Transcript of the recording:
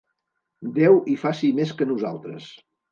Déu hi faci més que nosaltres.